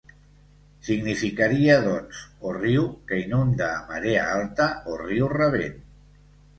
Significaria doncs o riu que inunda a marea alta o riu rabent.